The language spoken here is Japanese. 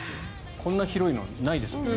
こんな広いのないですもんね。